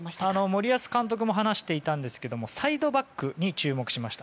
森保監督も話していたんですがサイドバックに注目しました。